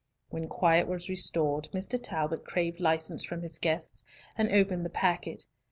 When quiet was restored, Mr. Talbot craved license from his guests, and opened the packet.